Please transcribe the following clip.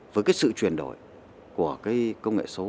với cái sự chuyển đổi của cái công nghệ số